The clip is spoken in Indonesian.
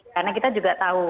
karena kita juga tahu